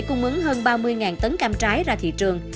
cung ứng hơn ba mươi tấn cam trái ra thị trường